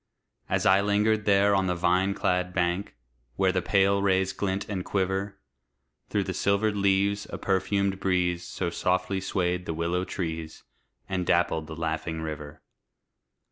As I lingered there on the vine clad bank, Where the pale rays glint and quiver Through the silvered leaves, a perfumed breeze So softly swayed the willow trees, And dappled the laughing river.